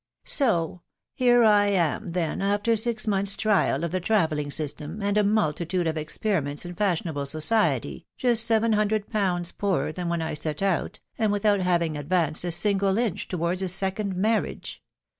" Soh !.... Here I am then, after six months9 trial of the travelling syBtem, and a multitude of experiments in faanian able society, just seven hundred pounds poorer :thanwheni set out, and without having advanced a single inch towards a second marriage.